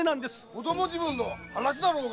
子ども時分の話だろうが！